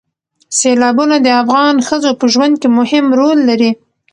سیلابونه د افغان ښځو په ژوند کې هم رول لري.